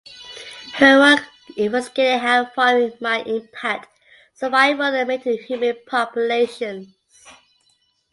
Her work investigated how farming might impact survival and mating in human populations.